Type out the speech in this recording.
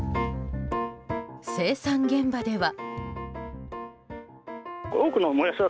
生産現場では。